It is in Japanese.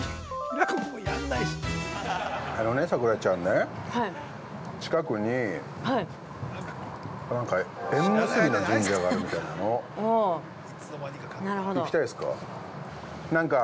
◆あのね、咲楽ちゃんね、近くに、なんか縁結びの神社があるみたいなの。行きたいですか。